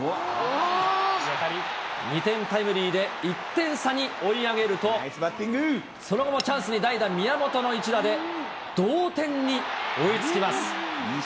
２点タイムリーで１点差に追い上げると、その後もチャンスに代打、宮本の一打で、同点に追いつきます。